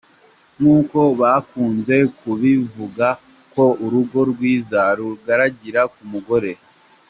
Nk’uko bakunze kubivuga ko urugo rwiza rugaragarira ku mugore.